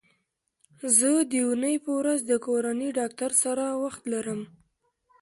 زه د دونۍ په ورځ د کورني ډاکټر سره وخت لرم